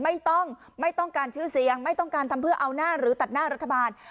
ไม่ต้องไม่ต้องการชื่อเสียงไม่ต้องการทำเพื่อเอาหน้าหรือตัดหน้ารัฐบาล